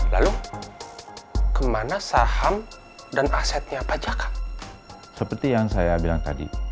lalu kemana saham dan asetnya pajak seperti yang saya bilang tadi